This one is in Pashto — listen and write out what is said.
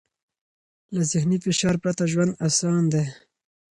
له ذهني فشار پرته ژوند اسان دی.